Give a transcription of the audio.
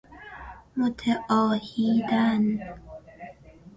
متعاهیدن